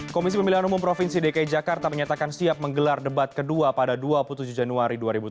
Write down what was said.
komisi pemilihan umum provinsi dki jakarta menyatakan siap menggelar debat kedua pada dua puluh tujuh januari dua ribu tujuh belas